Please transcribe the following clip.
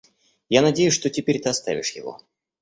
Я надеюсь, что теперь ты оставишь его.